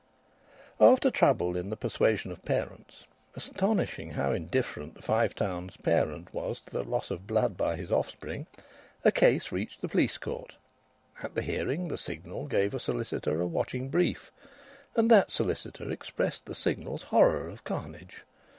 After trouble in the persuasion of parents astonishing how indifferent the Five Towns' parent was to the loss of blood by his offspring! a case reached the police court. At the hearing the Signal gave a solicitor a watching brief, and that solicitor expressed the Signal's horror of carnage.